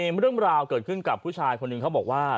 มีเรื่องราวเกิดขึ้นกับผู้ชายคนหนึ่งเขาบอกว่า